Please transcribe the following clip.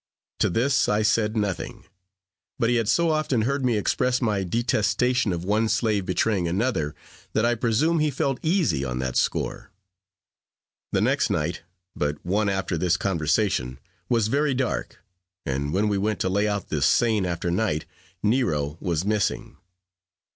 To this I said nothing; but he had so often heard me express my detestation of one slave betraying another, that I presume he felt easy on that score. The next night but one after this conversation was very dark, and when we went to lay out the seine after night, Nero was missing.